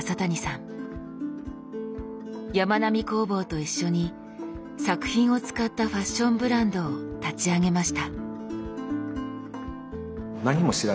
やまなみ工房と一緒に作品を使ったファッションブランドを立ち上げました。